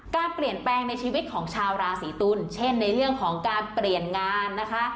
การเปลี่ยนแปลงในชีวิตของชาวราศีตุลเช่นในเรื่องของการเปลี่ยนงานนะคะ